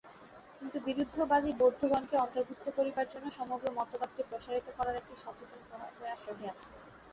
কিন্তু বিরুদ্ধবাদী বৌদ্ধগণকেও অন্তর্ভুক্ত করিবার জন্য সমগ্র মতবাদটি প্রসারিত করার একটি সচেতন প্রয়াস রহিয়াছে।